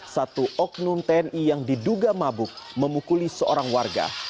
satu oknum tni yang diduga mabuk memukuli seorang warga